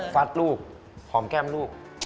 ฟัดลูกหอมแก้มลูก